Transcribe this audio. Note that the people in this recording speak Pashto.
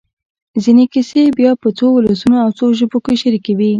ځينې کیسې بیا په څو ولسونو او څو ژبو کې شریکې وي.